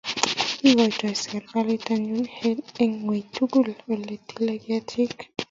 Ikaitoy serikalit onyo eng' wiy tugul ole tile ketik